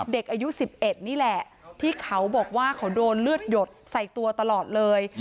เด็กอายุ๑๑นี่แหละที่เขาบอกว่าเขาโดนเลือดหยดใส่ตัวตลอดเลย